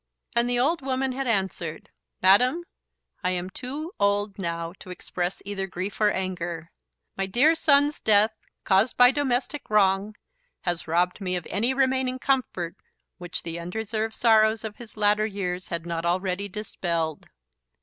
And the old woman had answered. "Madam, I am too old now to express either grief or anger. My dear son's death, caused by domestic wrong, has robbed me of any remaining comfort which the undeserved sorrows of his latter years had not already dispelled.